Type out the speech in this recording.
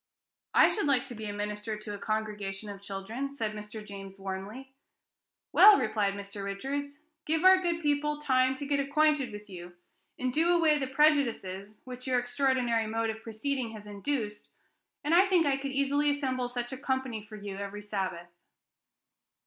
"I should like to be minister to a congregation of children," said Mr. James warmly. "Well," replied Mr. Richards, "give our good people time to get acquainted with you, and do away the prejudices which your extraordinary mode of proceeding has induced, and I think I could easily assemble such a company for you every Sabbath."